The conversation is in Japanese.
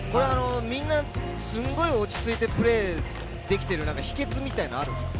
みんな、すごい落ち着いてプレーできてる秘訣みたいのはあるんですか？